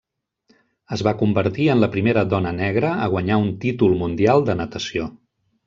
Es va convertir en la primera dona negra a guanyar un títol mundial de natació.